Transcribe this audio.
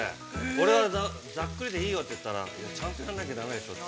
俺は、ざっくりでいいよって言ったら、ちゃんとやらなきゃだめでしょうって。